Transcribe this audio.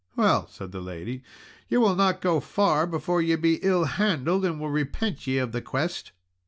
"Well" said the lady, "ye will not go far before ye be ill handled, and will repent ye of the quest."